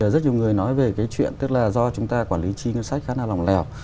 rất nhiều người nói về cái chuyện tức là do chúng ta quản lý chi ngân sách khác